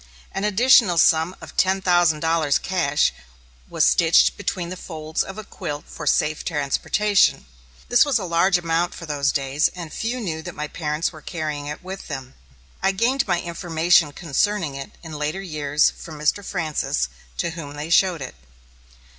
An additional sum of ten thousand dollars, cash, was stitched between the folds of a quilt for safe transportation. This was a large amount for those days, and few knew that my parents were carrying it with them. I gained my information concerning it in later years from Mr. Francis, to whom they showed it.